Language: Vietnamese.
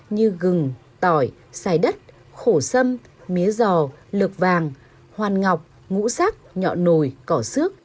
như gừng tỏi xài đất khổ sâm mía giò lược vàng hoàn ngọc ngũ sắc nhọ nồi cỏ sước